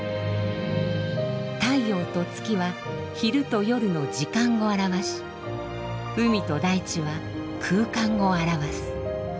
太陽と月は昼と夜の時間を表し海と大地は空間を表す。